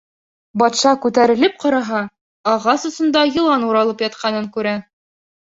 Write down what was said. Батша күтәрелеп ҡараһа, ағас осонда йылан уралып ятҡанын күрә.